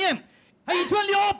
はい１万両！